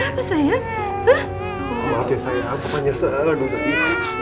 maaf ya sayang aku menyesal